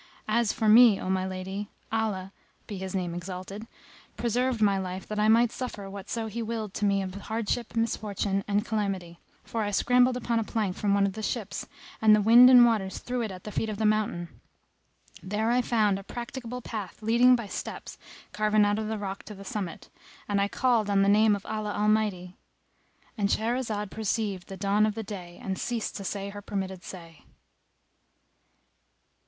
As for me, O my lady, Allah (be His name exalted!) preserved my life that I might suffer whatso He willed to me of hardship, misfortune and calamity; for I scrambled upon a plank from one of the ships, and the wind and waters threw it at the feet of the Mountain. There I found a practicable path leading by steps carven out of the rock to the summit, and I called on the name of Allah Almighty"[FN#259]—And Shahrazad perceived the dawn of day and ceased to say her permitted say.